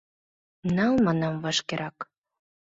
— Нал, манам, вашкерак!